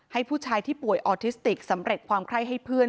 ให้ผู้ชายที่ป่วยออทิสติกสำเร็จความไข้ให้เพื่อน